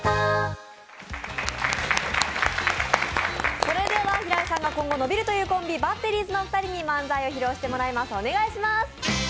それでは平井さんが今後伸びるというコンビ、バッテリィズのお二人に漫才を披露していただきます。